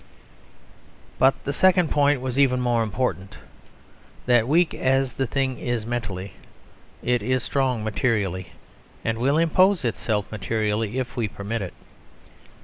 But the second point was even more important; that weak as the thing is mentally it is strong materially; and will impose itself materially if we permit it.